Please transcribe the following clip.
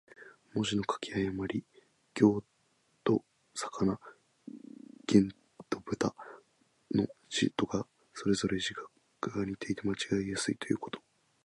文字の書き誤り。「魯」と「魚」、「亥」と「豕」の字とが、それぞれ字画が似ていて間違えやすいということ。